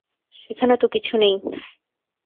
সেখানে তো কিছু নেই।